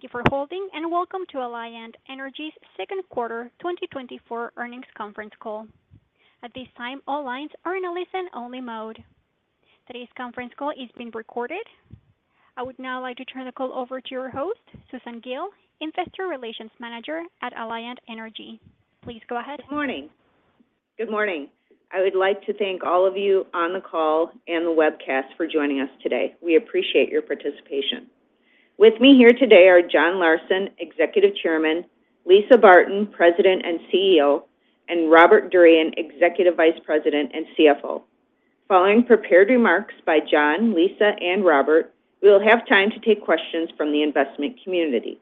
Thank you for holding, and welcome to Alliant Energy's Q2 2024 Earnings Conference Call. At this time, all lines are in a listen-only mode. Today's conference call is being recorded. I would now like to turn the call over to your host, Susan Gille, Investor Relations Manager at Alliant Energy. Please go ahead. Good morning. Good morning. I would like to thank all of you on the call and the webcast for joining us today. We appreciate your participation. With me here today are John Larsen, Executive Chairman; Lisa Barton, President and CEO; and Robert Durian, Executive Vice President and CFO. Following prepared remarks by John, Lisa, and Robert, we will have time to take questions from the investment community.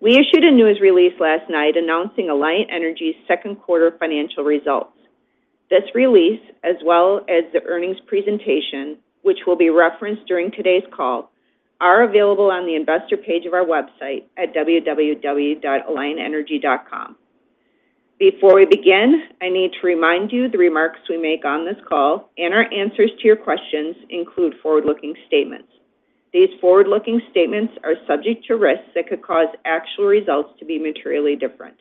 We issued a news release last night announcing Alliant Energy's Q2 financial results. This release, as well as the earnings presentation, which will be referenced during today's call, are available on the investor page of our website at www.alliantenergy.com. Before we begin, I need to remind you the remarks we make on this call and our answers to your questions include forward-looking statements. These forward-looking statements are subject to risks that could cause actual results to be materially different.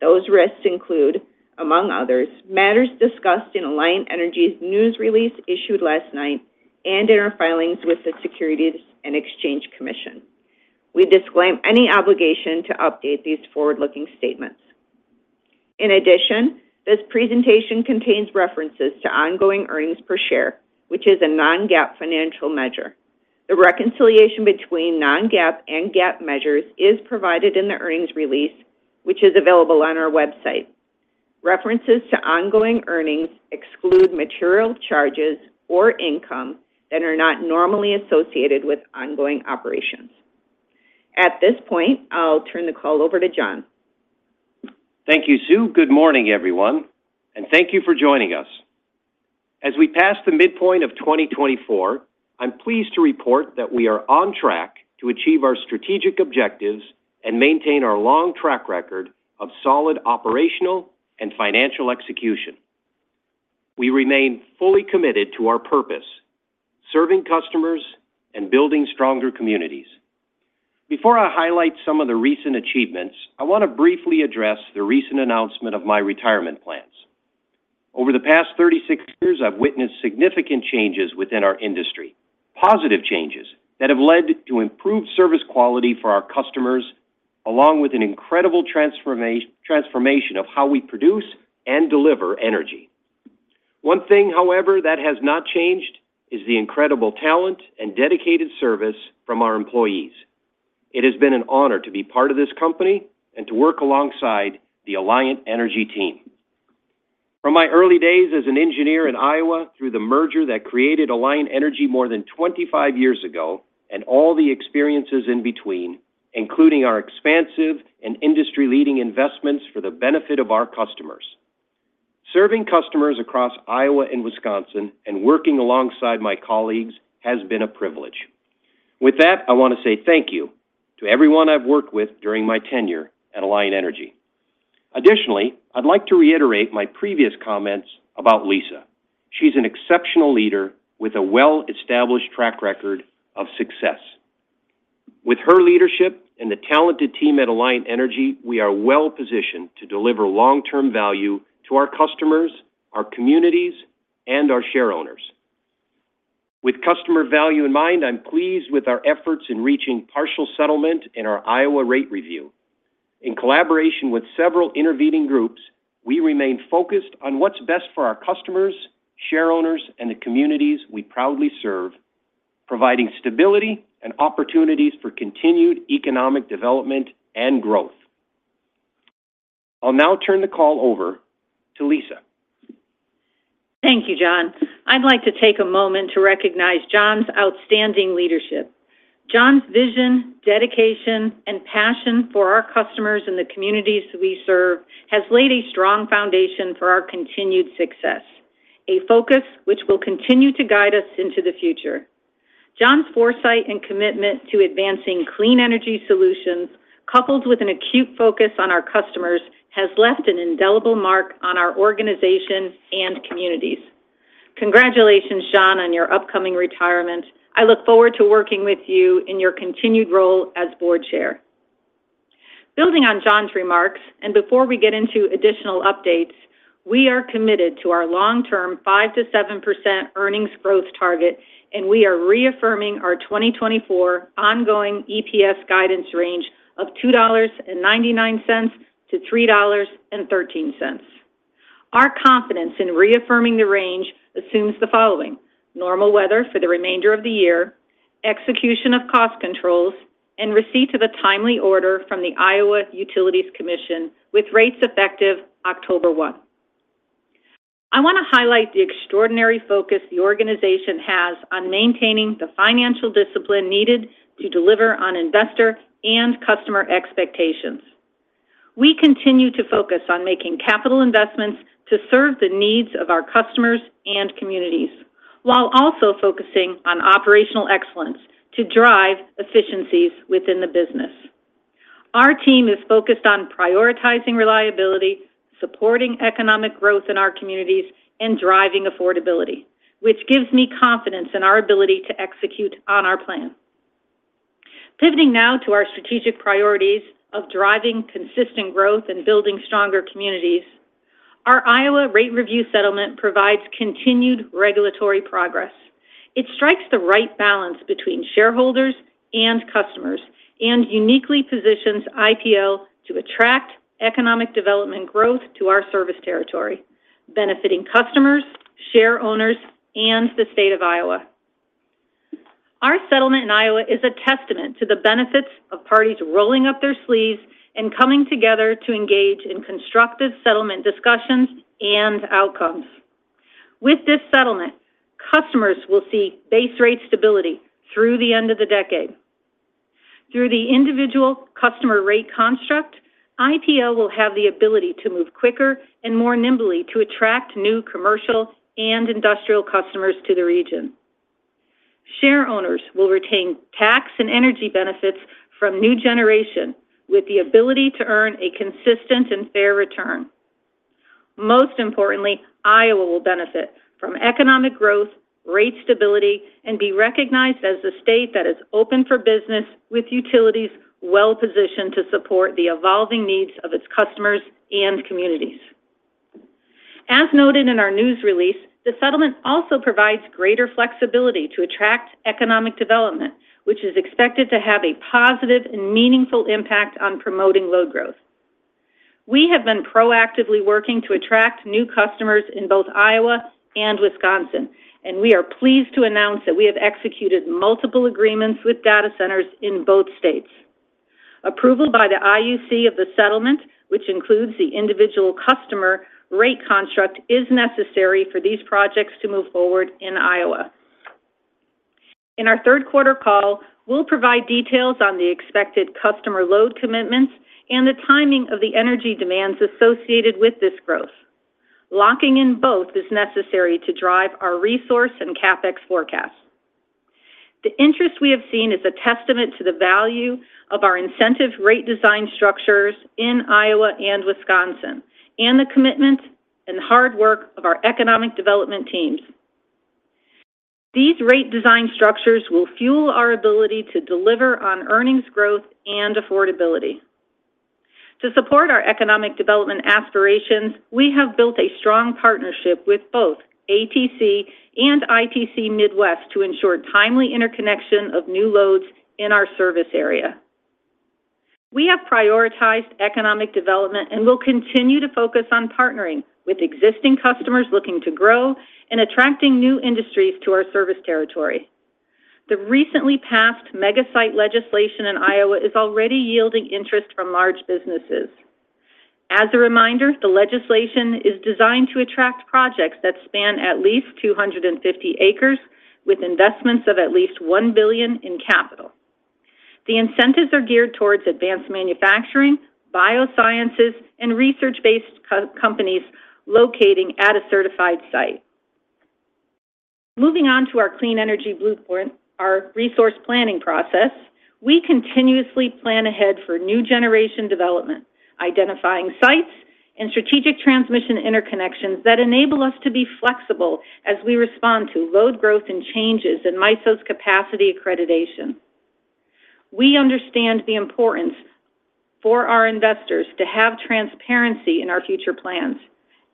Those risks include, among others, matters discussed in Alliant Energy's news release issued last night and in our filings with the Securities and Exchange Commission. We disclaim any obligation to update these forward-looking statements. In addition, this presentation contains references to ongoing earnings per share, which is a Non-GAAP financial measure. The reconciliation between Non-GAAP and GAAP measures is provided in the earnings release, which is available on our website. References to ongoing earnings exclude material charges or income that are not normally associated with ongoing operations. At this point, I'll turn the call over to John. Thank you, Sue. Good morning, everyone, and thank you for joining us. As we pass the midpoint of 2024, I'm pleased to report that we are on track to achieve our strategic objectives and maintain our long track record of solid operational and financial execution. We remain fully committed to our purpose: serving customers and building stronger communities. Before I highlight some of the recent achievements, I want to briefly address the recent announcement of my retirement plans. Over the past 36 years, I've witnessed significant changes within our industry, positive changes that have led to improved service quality for our customers, along with an incredible transformation, transformation of how we produce and deliver energy. One thing, however, that has not changed is the incredible talent and dedicated service from our employees. It has been an honor to be part of this company and to work alongside the Alliant Energy team. From my early days as an engineer in Iowa through the merger that created Alliant Energy more than 25 years ago, and all the experiences in between, including our expansive and industry-leading investments for the benefit of our customers. Serving customers across Iowa and Wisconsin and working alongside my colleagues has been a privilege. With that, I want to say thank you to everyone I've worked with during my tenure at Alliant Energy. Additionally, I'd like to reiterate my previous comments about Lisa. She's an exceptional leader with a well-established track record of success. With her leadership and the talented team at Alliant Energy, we are well-positioned to deliver long-term value to our customers, our communities, and our shareowners. With customer value in mind, I'm pleased with our efforts in reaching partial settlement in our Iowa rate review. In collaboration with several intervening groups, we remain focused on what's best for our customers, shareowners, and the communities we proudly serve, providing stability and opportunities for continued economic development and growth. I'll now turn the call over to Lisa. Thank you, John. I'd like to take a moment to recognize John's outstanding leadership. John's vision, dedication, and passion for our customers and the communities we serve has laid a strong foundation for our continued success, a focus which will continue to guide us into the future. John's foresight and commitment to advancing clean energy solutions, coupled with an acute focus on our customers, has left an indelible mark on our organization and communities. Congratulations, John, on your upcoming retirement. I look forward to working with you in your continued role as board chair. Building on John's remarks, and before we get into additional updates, we are committed to our long-term 5%-7% earnings growth target, and we are reaffirming our 2024 ongoing EPS guidance range of $2.99-$3.13. Our confidence in reaffirming the range assumes the following: normal weather for the remainder of the year, execution of cost controls, and receipt of a timely order from the Iowa Utilities Commission, with rates effective October 1. I want to highlight the extraordinary focus the organization has on maintaining the financial discipline needed to deliver on investor and customer expectations. We continue to focus on making capital investments to serve the needs of our customers and communities, while also focusing on operational excellence to drive efficiencies within the business.... Our team is focused on prioritizing reliability, supporting economic growth in our communities, and driving affordability, which gives me confidence in our ability to execute on our plan. Pivoting now to our strategic priorities of driving consistent growth and building stronger communities, our Iowa Rate Review settlement provides continued regulatory progress. It strikes the right balance between shareholders and customers, and uniquely positions IPL to attract economic development growth to our service territory, benefiting customers, shareowners, and the state of Iowa. Our settlement in Iowa is a testament to the benefits of parties rolling up their sleeves and coming together to engage in constructive settlement discussions and outcomes. With this settlement, customers will see base rate stability through the end of the decade. Through the individual customer rate construct, IPL will have the ability to move quicker and more nimbly to attract new commercial and industrial customers to the region. Shareowners will retain tax and energy benefits from new generation, with the ability to earn a consistent and fair return. Most importantly, Iowa will benefit from economic growth, rate stability, and be recognized as a state that is open for business, with utilities well-positioned to support the evolving needs of its customers and communities. As noted in our news release, the settlement also provides greater flexibility to attract economic development, which is expected to have a positive and meaningful impact on promoting load growth. We have been proactively working to attract new customers in both Iowa and Wisconsin, and we are pleased to announce that we have executed multiple agreements with data centers in both states. Approval by the IUC of the settlement, which includes the individual customer rate construct, is necessary for these projects to move forward in Iowa. In our Q3 call, we'll provide details on the expected customer load commitments and the timing of the energy demands associated with this growth. Locking in both is necessary to drive our resource and CapEx forecast. The interest we have seen is a testament to the value of our incentive rate design structures in Iowa and Wisconsin, and the commitment and hard work of our economic development teams. These rate design structures will fuel our ability to deliver on earnings growth and affordability. To support our economic development aspirations, we have built a strong partnership with both ATC and ITC Midwest to ensure timely interconnection of new loads in our service area. We have prioritized economic development and will continue to focus on partnering with existing customers looking to grow and attracting new industries to our service territory. The recently passed mega site legislation in Iowa is already yielding interest from large businesses. As a reminder, the legislation is designed to attract projects that span at least 250 acres, with investments of at least $1 billion in capital. The incentives are geared towards advanced manufacturing, biosciences, and research-based companies locating at a certified site. Moving on to our Clean Energy Blueprint, our resource planning process, we continuously plan ahead for new generation development, identifying sites and strategic transmission interconnections that enable us to be flexible as we respond to load growth and changes in MISO's capacity accreditation. We understand the importance for our investors to have transparency in our future plans.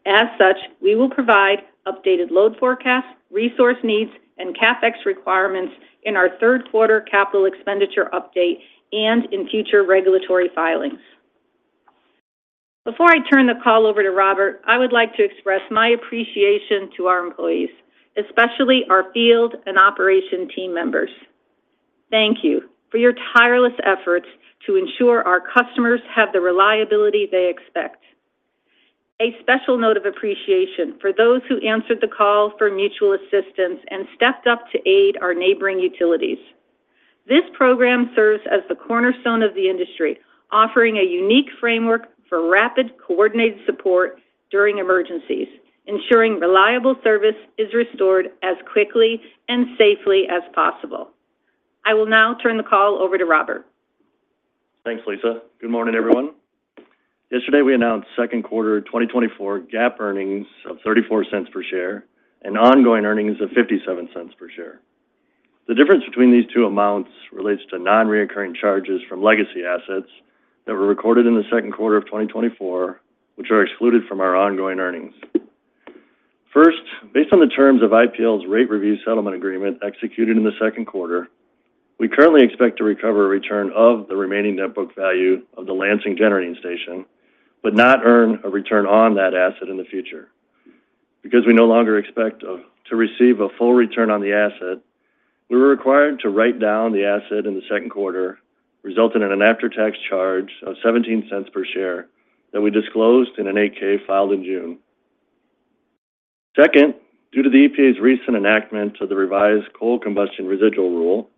As such, we will provide updated load forecasts, resource needs, and CapEx requirements in our Q3 capital expenditure update and in future regulatory filings. Before I turn the call over to Robert, I would like to express my appreciation to our employees, especially our field and operation team members. Thank you for your tireless efforts to ensure our customers have the reliability they expect. A special note of appreciation for those who answered the call for mutual assistance and stepped up to aid our neighboring utilities. This program serves as the cornerstone of the industry, offering a unique framework for rapid, coordinated support during emergencies, ensuring reliable service is restored as quickly and safely as possible. I will now turn the call over to Robert. Thanks, Lisa. Good morning, everyone. Yesterday, we announced Q2 2024 GAAP earnings of $0.34 per share and ongoing earnings of $0.57 per share. The difference between these two amounts relates to non-recurring charges from legacy assets that were recorded in the Q2 of 2024, which are excluded from our ongoing earnings. First, based on the terms of IPL's rate review settlement agreement executed in the Q2, we currently expect to recover a return of the remaining net book value of the Lansing Generating Station, but not earn a return on that asset in the future. Because we no longer expect to receive a full return on the asset, we were required to write down the asset in the Q2, resulting in an after-tax charge of $0.17 per share that we disclosed in an 8-K filed in June. Second, due to the EPA's recent enactment of the revised Coal Combustion Residual Rule,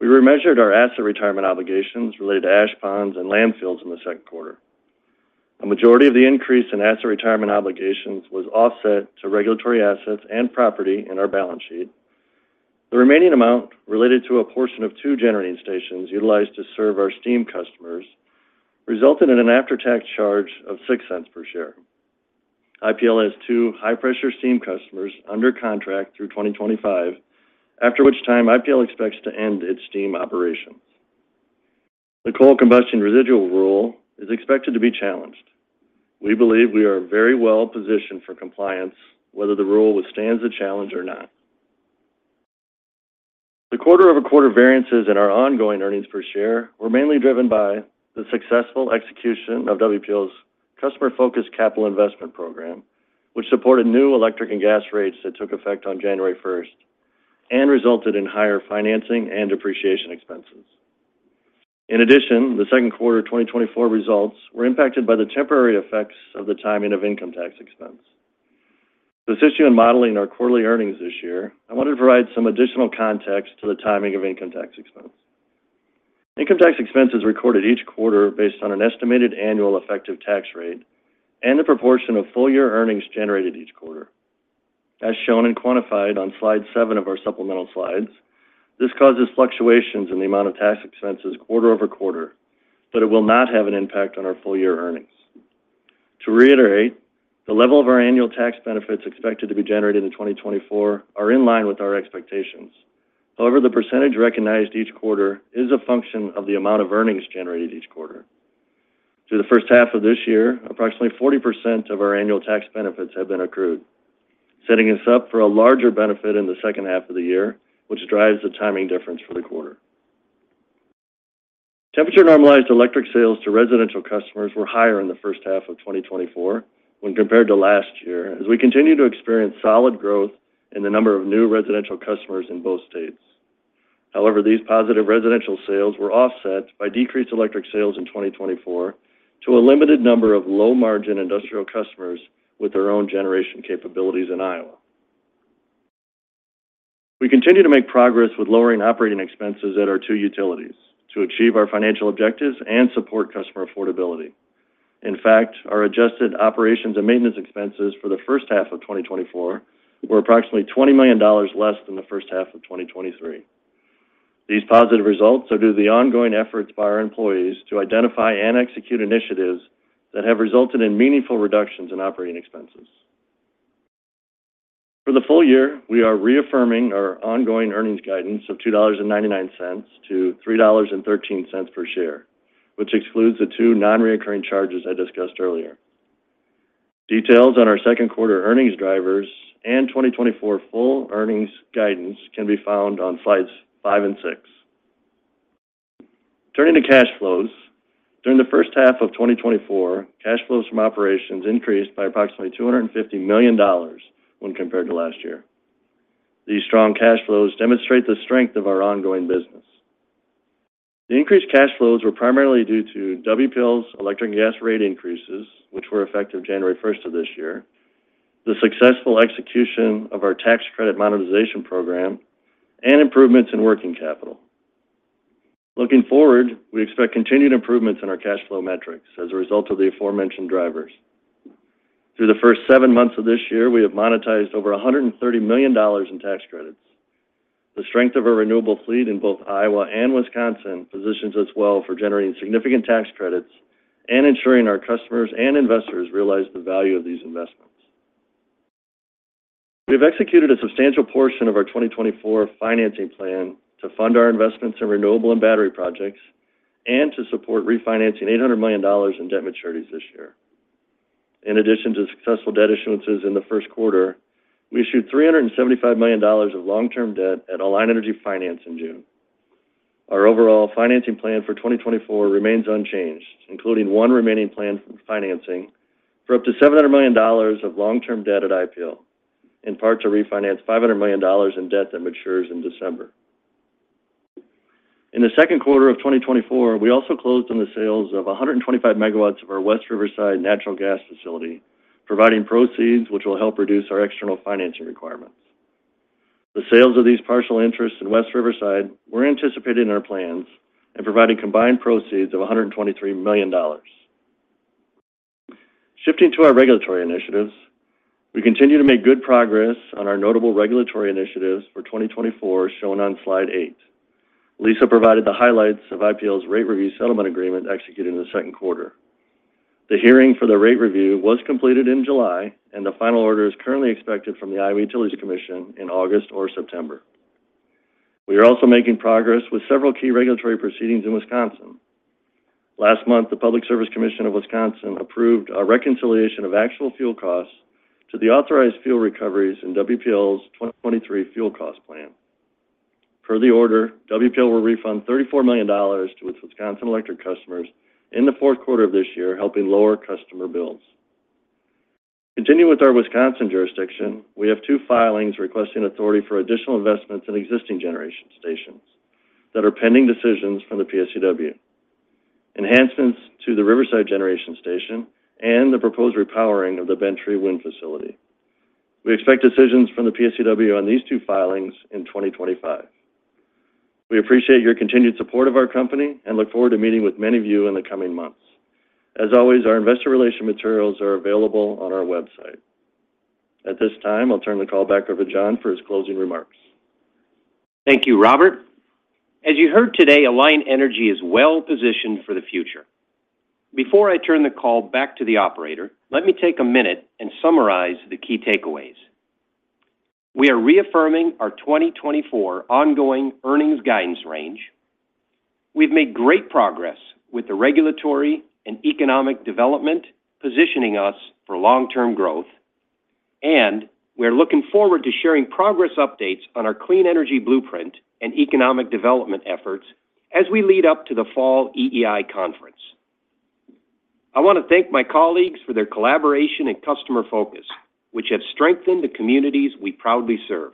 we remeasured our asset retirement obligations related to ash ponds and landfills in the Q2. A majority of the increase in asset retirement obligations was offset to regulatory assets and property in our balance sheet. The remaining amount related to a portion of two generating stations utilized to serve our steam customers, resulted in an after-tax charge of $0.06 per share. IPL has two high-pressure steam customers under contract through 2025, after which time IPL expects to end its steam operations. The Coal Combustion Residual Rule is expected to be challenged. We believe we are very well positioned for compliance, whether the rule withstands the challenge or not. The quarter-over-quarter variances in our ongoing earnings per share were mainly driven by the successful execution of WPL's customer-focused capital investment program, which supported new electric and gas rates that took effect on January first, and resulted in higher financing and depreciation expenses. In addition, the Q2 2024 results were impacted by the temporary effects of the timing of income tax expense. To assist you in modeling our quarterly earnings this year, I want to provide some additional context to the timing of income tax expense. Income tax expense is recorded each quarter based on an estimated annual effective tax rate and the proportion of full year earnings generated each quarter. As shown and quantified on slide seven of our supplemental slides, this causes fluctuations in the amount of tax expenses quarter-over-quarter, but it will not have an impact on our full year earnings. To reiterate, the level of our annual tax benefits expected to be generated in 2024 are in line with our expectations. However, the percentage recognized each quarter is a function of the amount of earnings generated each quarter. Through the first half of this year, approximately 40% of our annual tax benefits have been accrued, setting us up for a larger benefit in the second half of the year, which drives the timing difference for the quarter. Temperature normalized electric sales to residential customers were higher in the first half of 2024 when compared to last year, as we continue to experience solid growth in the number of new residential customers in both states. However, these positive residential sales were offset by decreased electric sales in 2024 to a limited number of low-margin industrial customers with their own generation capabilities in Iowa. We continue to make progress with lowering operating expenses at our two utilities to achieve our financial objectives and support customer affordability. In fact, our adjusted operations and maintenance expenses for the first half of 2024 were approximately $20 million less than the first half of 2023. These positive results are due to the ongoing efforts by our employees to identify and execute initiatives that have resulted in meaningful reductions in operating expenses. For the full year, we are reaffirming our ongoing earnings guidance of $2.99-$3.13 per share, which excludes the two non-recurring charges I discussed earlier. Details on our Q2 earnings drivers and 2024 full earnings guidance can be found on slides five and six. Turning to cash flows. During the first half of 2024, cash flows from operations increased by approximately $250 million when compared to last year. These strong cash flows demonstrate the strength of our ongoing business. The increased cash flows were primarily due to WPL's electric and gas rate increases, which were effective January first of this year, the successful execution of our tax credit monetization program, and improvements in working capital. Looking forward, we expect continued improvements in our cash flow metrics as a result of the aforementioned drivers. Through the first seven months of this year, we have monetized over $130 million in tax credits. The strength of our renewable fleet in both Iowa and Wisconsin positions us well for generating significant tax credits and ensuring our customers and investors realize the value of these investments. We've executed a substantial portion of our 2024 financing plan to fund our investments in renewable and battery projects, and to support refinancing $800 million in debt maturities this year. In addition to successful debt issuances in the Q1, we issued $375 million of long-term debt at Alliant Energy Finance in June. Our overall financing plan for 2024 remains unchanged, including one remaining plan for financing for up to $700 million of long-term debt at IPL, in part to refinance $500 million in debt that matures in December. In the Q2 of 2024, we also closed on the sales of 125 MW of our West Riverside Energy Center, providing proceeds which will help reduce our external financing requirements. The sales of these partial interests in West Riverside were anticipated in our plans and providing combined proceeds of $123 million. Shifting to our regulatory initiatives, we continue to make good progress on our notable regulatory initiatives for 2024, shown on slide eight. Lisa provided the highlights of IPL's rate review settlement agreement executed in the Q2. The hearing for the rate review was completed in July, and the final order is currently expected from the Iowa Utilities Commission in August or September. We are also making progress with several key regulatory proceedings in Wisconsin. Last month, the Public Service Commission of Wisconsin approved a reconciliation of actual fuel costs to the authorized fuel recoveries in WPL's 2023 fuel cost plan. Per the order, WPL will refund $34 million to its Wisconsin electric customers in the Q4 of this year, helping lower customer bills. Continuing with our Wisconsin jurisdiction, we have two filings requesting authority for additional investments in existing generation stations that are pending decisions from the PSCW. Enhancements to the Riverside Generation Station and the proposed repowering of the Bent Tree Wind Farm. We expect decisions from the PSCW on these two filings in 2025. We appreciate your continued support of our company, and look forward to meeting with many of you in the coming months. As always, our investor relations materials are available on our website. At this time, I'll turn the call back over to John for his closing remarks. Thank you, Robert. As you heard today, Alliant Energy is well-positioned for the future. Before I turn the call back to the operator, let me take a minute and summarize the key takeaways. We are reaffirming our 2024 ongoing earnings guidance range. We've made great progress with the regulatory and economic development, positioning us for long-term growth, and we're looking forward to sharing progress updates on our Clean Energy Blueprint and economic development efforts as we lead up to the fall EEI conference. I want to thank my colleagues for their collaboration and customer focus, which have strengthened the communities we proudly serve.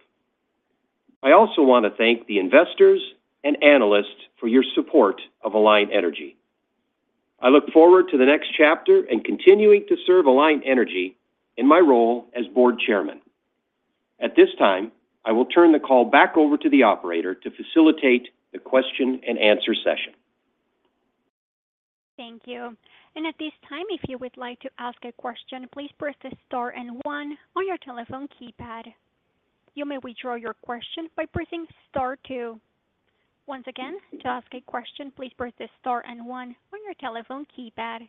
I also want to thank the investors and analysts for your support of Alliant Energy. I look forward to the next chapter and continuing to serve Alliant Energy in my role as board chairman. At this time, I will turn the call back over to the operator to facilitate the question and answer session. Thank you. At this time, if you would like to ask a question, please press Star and one on your telephone keypad. You may withdraw your question by pressing Star two. Once again, to ask a question, please press Star and one on your telephone keypad.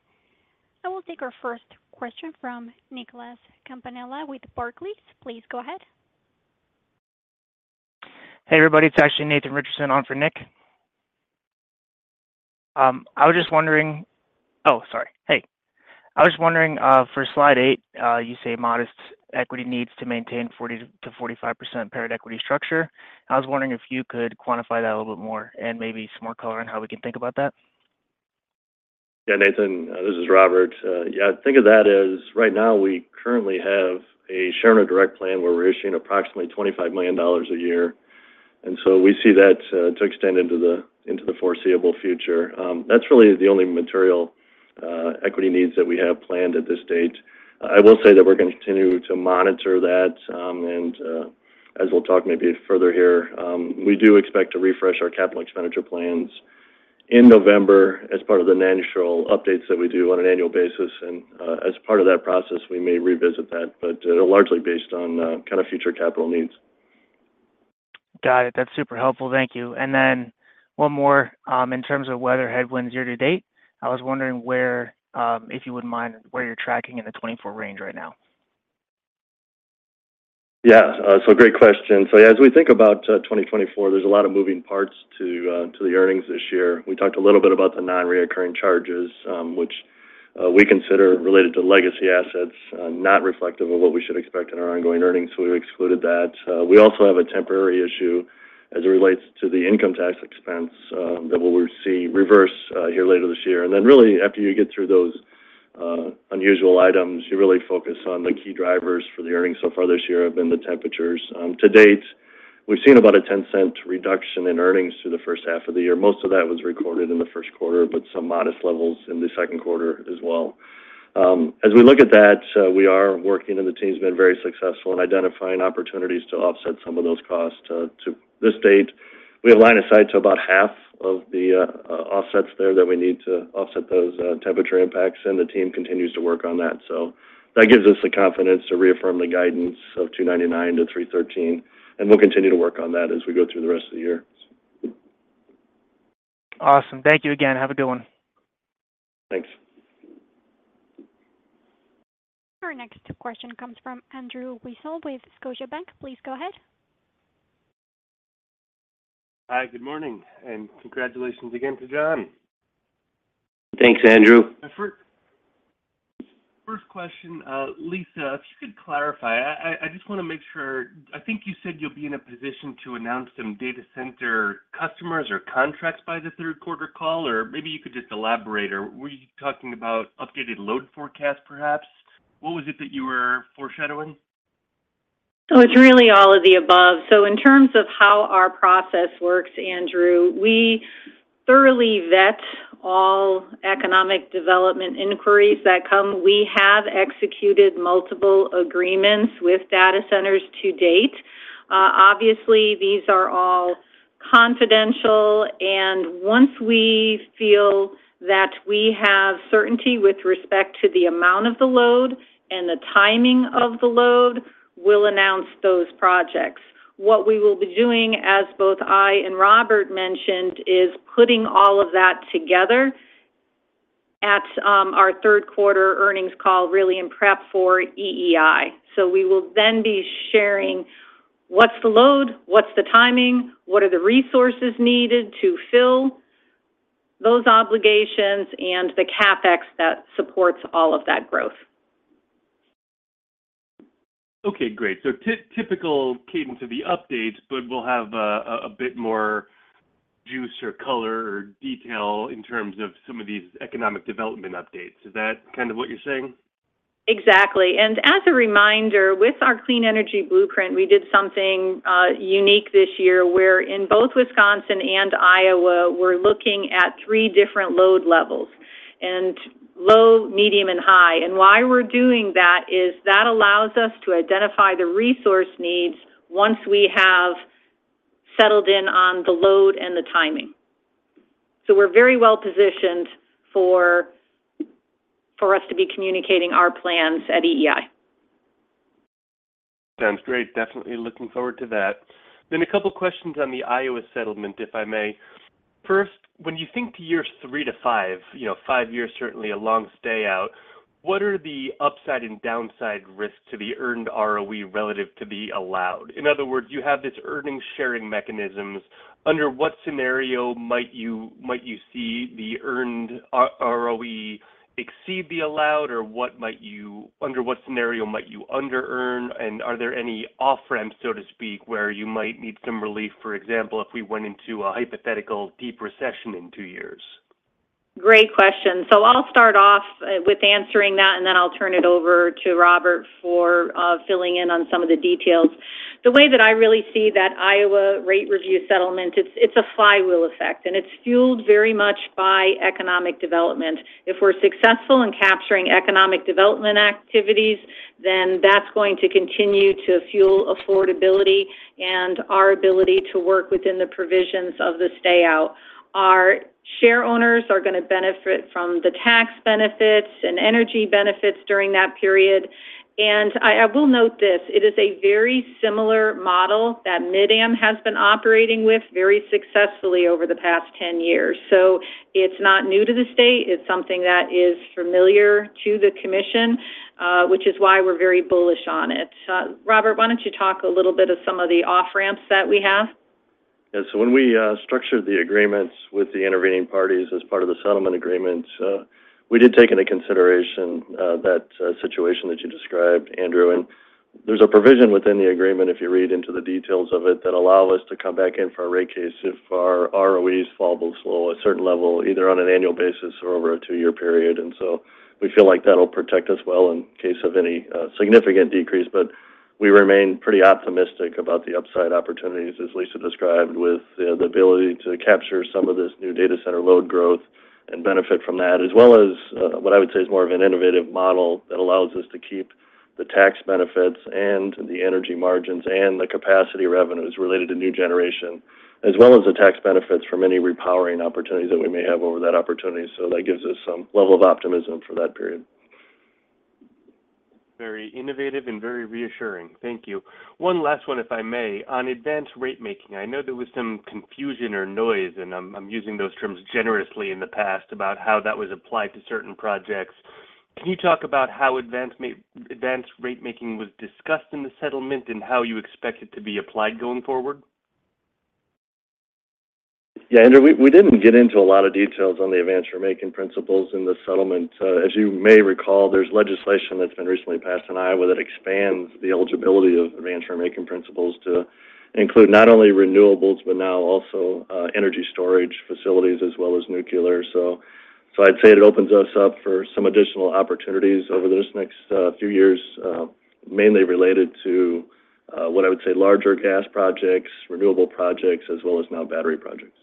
I will take our first question from Nicholas Campanella with Barclays. Please go ahead. Hey, everybody, it's actually Nathan Richardson on for Nick. I was just wondering... Oh, sorry. Hey. I was just wondering, for slide eight, you say modest equity needs to maintain 40%-45% paired equity structure. I was wondering if you could quantify that a little bit more and maybe some more color on how we can think about that. Yeah, Nathan, this is Robert. Yeah, think of that as right now, we currently have a shareholder direct plan where we're issuing approximately $25 million a year, and so we see that to extend into the foreseeable future. That's really the only material equity needs that we have planned at this stage. I will say that we're going to continue to monitor that, and as we'll talk maybe further here, we do expect to refresh our capital expenditure plans in November as part of the annual updates that we do on an annual basis. And as part of that process, we may revisit that, but largely based on kind of future capital needs. Got it. That's super helpful. Thank you. And then one more. In terms of weather headwinds year to date, I was wondering where, if you wouldn't mind, where you're tracking in the 24 range right now? Yeah. So great question. So as we think about 2024, there's a lot of moving parts to the earnings this year. We talked a little bit about the nonrecurring charges, which we consider related to legacy assets, not reflective of what we should expect in our ongoing earnings, so we've excluded that. We also have a temporary issue as it relates to the income tax expense, that we'll see reverse here later this year. And then really, after you get through those unusual items, you really focus on the key drivers for the earnings so far this year have been the temperatures. To date, we've seen about a $0.10 reduction in earnings through the first half of the year. Most of that was recorded in the Q1, but some modest levels in the Q2 as well. As we look at that, we are working, and the team's been very successful in identifying opportunities to offset some of those costs. To this date, we have lined up about half of the offsets there that we need to offset those temperature impacts, and the team continues to work on that. So that gives us the confidence to reaffirm the guidance of $2.99-$3.13, and we'll continue to work on that as we go through the rest of the year. Awesome. Thank you again. Have a good one. Thanks. Our next question comes from Andrew Weisel with Scotiabank. Please go ahead. Hi, good morning, and congratulations again to John. Thanks, Andrew. First question, Lisa, if you could clarify. I just want to make sure. I think you said you'll be in a position to announce some data center customers or contracts by the Q3 call, or maybe you could just elaborate. Or were you talking about updated load forecast, perhaps? What was it that you were foreshadowing? So it's really all of the above. So in terms of how our process works, Andrew, we thoroughly vet all economic development inquiries that come. We have executed multiple agreements with data centers to date. Obviously, these are all confidential, and once we feel that we have certainty with respect to the amount of the load and the timing of the load, we'll announce those projects. What we will be doing, as both I and Robert mentioned, is putting all of that together at our Q3 earnings call, really, in prep for EEI. So we will then be sharing what's the load, what's the timing, what are the resources needed to fill those obligations, and the CapEx that supports all of that growth. Okay, great. So typical cadence of the updates, but we'll have a bit more juice or color or detail in terms of some of these economic development updates. Is that kind of what you're saying? Exactly. And as a reminder, with our Clean Energy Blueprint, we did something unique this year, where in both Wisconsin and Iowa, we're looking at three different load levels: low, medium, and high. And why we're doing that is that allows us to identify the resource needs once we have settled in on the load and the timing. So we're very well-positioned for us to be communicating our plans at EEI. Sounds great. Definitely looking forward to that. Then a couple questions on the Iowa settlement, if I may. First, when you think to years 3 to 5, you know, 5 years, certainly a long way out, what are the upside and downside risks to the earned ROE relative to the allowed? In other words, you have this earnings sharing mechanisms. Under what scenario might you, might you see the earned ROE exceed the allowed, or what might you under what scenario might you under earn? And are there any off-ramps, so to speak, where you might need some relief, for example, if we went into a hypothetical deep recession in two years? Great question. So I'll Start off with answering that, and then I'll turn it over to Robert for filling in on some of the details. The way that I really see that Iowa rate review settlement, it's a flywheel effect, and it's fueled very much by economic development. If we're successful in capturing economic development activities, then that's going to continue to fuel affordability and our ability to work within the provisions of the stay out. Our share owners are going to benefit from the tax benefits and energy benefits during that period. And I will note this: it is a very similar model that MidAm has been operating with very successfully over the past 10 years. So it's not new to the state. It's something that is familiar to the commission, which is why we're very bullish on it. Robert, why don't you talk a little bit of some of the off-ramps that we have? Yes. So when we structured the agreements with the intervening parties as part of the settlement agreement, we did take into consideration that situation that you described, Andrew. And there's a provision within the agreement, if you read into the details of it, that allow us to come back in for a rate case if our ROEs fall below a certain level, either on an annual basis or over a two-year period. And so we feel like that'll protect us well in case of any significant decrease. But we remain pretty optimistic about the upside opportunities, as Lisa described, with the ability to capture some of this new data center load growth and benefit from that, as well as what I would say is more of an innovative model that allows us to keep the tax benefits and the energy margins and the capacity revenues related to new generation, as well as the tax benefits from any repowering opportunities that we may have over that opportunity. So that gives us some level of optimism for that period. Very innovative and very reassuring. Thank you. One last one, if I may. On Advanced Ratemaking, I know there was some confusion or noise, and I'm using those terms generously in the past, about how that was applied to certain projects. Can you talk about how Advanced Ratemaking was discussed in the settlement and how you expect it to be applied going forward? Yeah, Andrew, we didn't get into a lot of details on the advanced ratemaking principles in the settlement. As you may recall, there's legislation that's been recently passed in Iowa that expands the eligibility of advanced ratemaking principles to include not only renewables but now also energy storage facilities as well as nuclear. So, I'd say it opens us up for some additional opportunities over this next few years, mainly related to what I would say, larger gas projects, renewable projects, as well as now battery projects.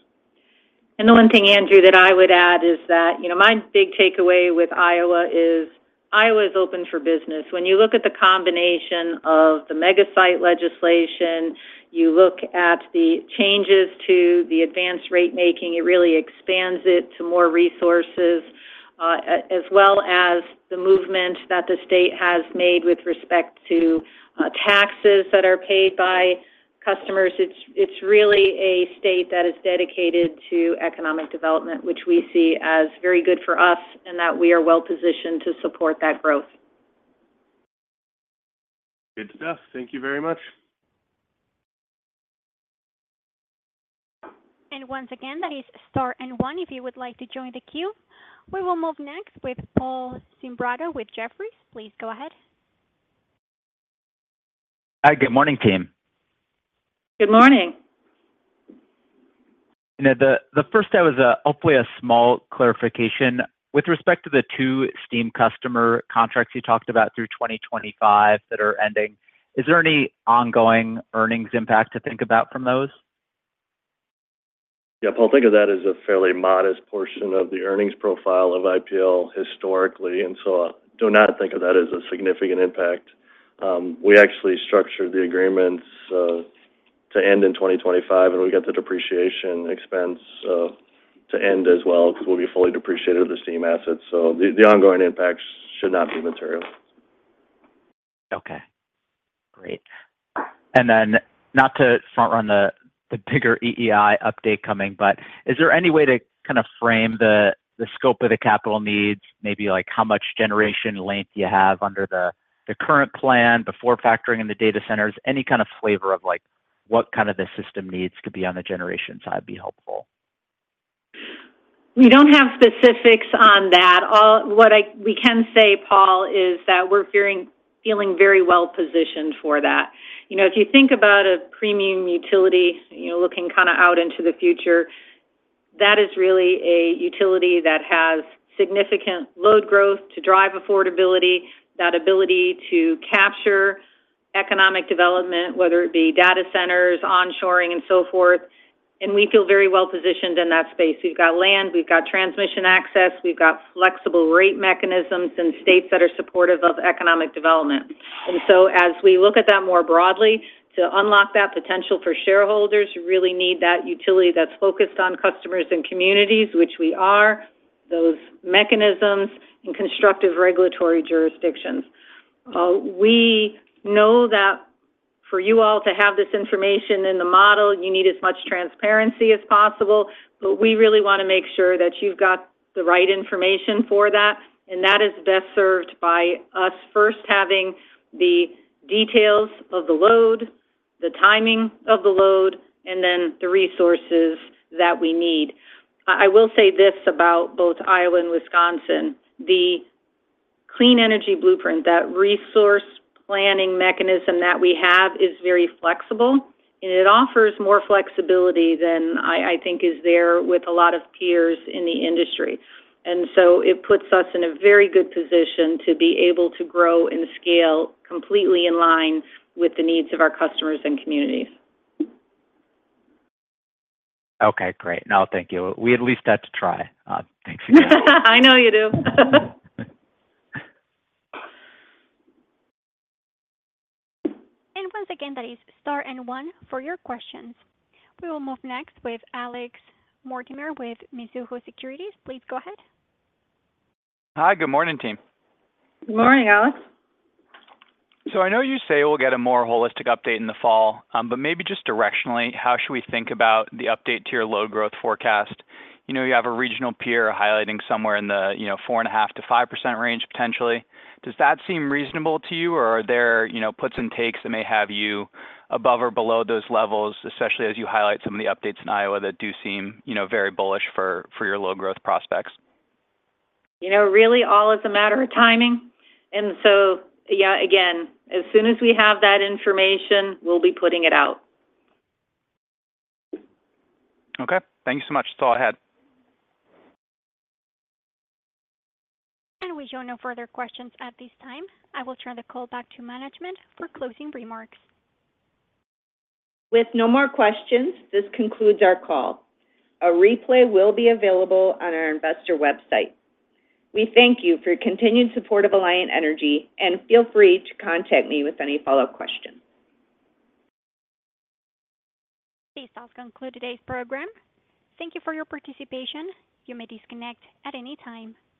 And the one thing, Andrew, that I would add is that, you know, my big takeaway with Iowa is Iowa is open for business. When you look at the combination of the mega site legislation, you look at the changes to the advanced ratemaking, it really expands it to more resources, as well as the movement that the state has made with respect to, taxes that are paid by customers. It's, it's really a state that is dedicated to economic development, which we see as very good for us, and that we are well-positioned to support that growth. Good stuff. Thank you very much. Once again, that is Star and one if you would like to join the queue. We will move next with Paul Zimbardo with Jefferies. Please go ahead. Hi, good morning, team. Good morning. You know, the first, I was hoping for a small clarification. With respect to the 2 steam customer contracts you talked about through 2025 that are ending, is there any ongoing earnings impact to think about from those? Yeah, Paul, think of that as a fairly modest portion of the earnings profile of IPL historically, and so do not think of that as a significant impact. We actually structured the agreements to end in 2025, and we got the depreciation expense to end as well, because we'll be fully depreciated with the steam assets. So the ongoing impacts should not be material. Okay, great. Then not to front run the bigger EEI update coming, but is there any way to kind of frame the scope of the capital needs? Maybe like how much generation length you have under the current plan before factoring in the data centers. Any kind of flavor of like what kind of the system needs could be on the generation side be helpful. We don't have specifics on that. What we can say, Paul, is that we're feeling very well positioned for that. You know, if you think about a premium utility, you know, looking kind of out into the future, that is really a utility that has significant load growth to drive affordability, that ability to capture economic development, whether it be data centers, onshoring, and so forth, and we feel very well positioned in that space. We've got land, we've got transmission access, we've got flexible rate mechanisms in states that are supportive of economic development. And so as we look at that more broadly, to unlock that potential for shareholders, you really need that utility that's focused on customers and communities, which we are, those mechanisms, and constructive regulatory jurisdictions. We know that for you all to have this information in the model, you need as much transparency as possible, but we really want to make sure that you've got the right information for that, and that is best served by us first having the details of the load, the timing of the load, and then the resources that we need. I will say this about both Iowa and Wisconsin, the Clean Energy Blueprint, that resource planning mechanism that we have is very flexible, and it offers more flexibility than I think is there with a lot of peers in the industry. And so it puts us in a very good position to be able to grow and scale completely in line with the needs of our customers and communities. Okay, great. No, thank you. We at least had to try. Thanks again. I know you do. Once again, that is Star and one for your questions. We will move next with Alex Mortimer with Mizuho Securities. Please go ahead. Hi, good morning, team. Good morning, Alex. So I know you say we'll get a more holistic update in the fall, but maybe just directionally, how should we think about the update to your load growth forecast? You know, you have a regional peer highlighting somewhere in the, you know, 4.5%-5% range, potentially. Does that seem reasonable to you, or are there, you know, puts and takes that may have you above or below those levels, especially as you highlight some of the updates in Iowa that do seem, you know, very bullish for, for your load growth prospects? You know, really all is a matter of timing. And so, yeah, again, as soon as we have that information, we'll be putting it out. Okay. Thank you so much. Talk ahead. We show no further questions at this time. I will turn the call back to management for closing remarks. With no more questions, this concludes our call. A replay will be available on our investor website. We thank you for your continued support of Alliant Energy, and feel free to contact me with any follow-up questions. This does conclude today's program. Thank you for your participation. You may disconnect at any time.